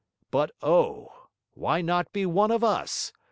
But, O! why not be one of us?